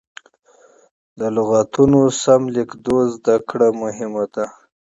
د لغتونو سمه لیکدود زده کړه مهمه ده.